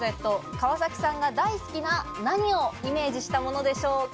川崎さんが大好きな何をイメージしたものでしょうか？